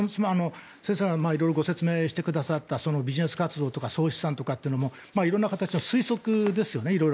先生が色々、ご説明してくださったそのビジネス活動とか総資産というのも色んな形の推測ですよね。